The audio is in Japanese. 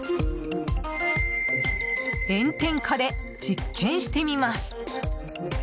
炎天下で実験してみます。